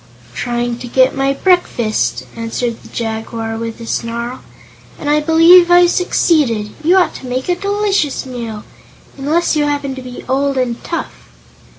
"Trying to get my breakfast," answered the Jaguar with a snarl, "and I believe I've succeeded. You ought to make a delicious meal unless you happen to be old and tough."